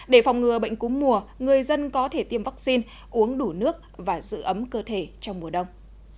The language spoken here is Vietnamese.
để phòng ngừa bệnh cúm mùa người dân có thể tiêm vaccine uống đủ nước và giữ ấm cơ thể trong mùa đông